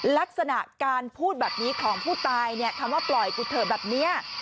ลักษณะการพูดแบบนี้ของผู้ตายเนี่ยคำว่าปล่อยกูเถอะแบบนี้